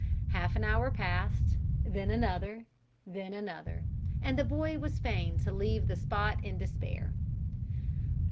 Half an hour passed, then another, then another, and the boy was fain to leave the spot in despair.